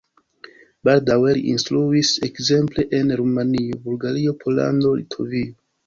Baldaŭe li instruis ekzemple en Rumanio, Bulgario, Pollando, Litovio.